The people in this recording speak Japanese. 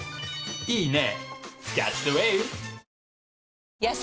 いいね！